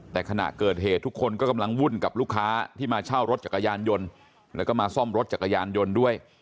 แต่ขณะเกิดเหตุทุกคนก็กำลังวุ่นกับลูกค้าที่มาเช่ารถจักรยานยนต์แล้วก็มาซ่อมรถจักรยานยนต์ด้วย